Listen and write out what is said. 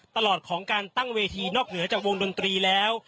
ตลอดของการตั้งเวทีนอกเหนือจากวงดนตรีแล้ว